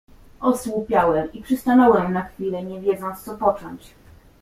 "Osłupiałem i przystanąłem na chwilę, nie wiedząc, co począć."